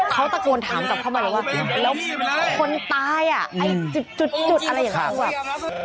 เขาตะโกนถามกลับเข้ามาแล้วว่าแล้วคนตายจุดอะไรอย่างนี้